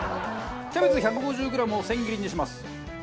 キャベツ１５０グラムを千切りにします。